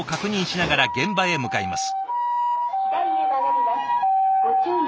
「左へ曲がります。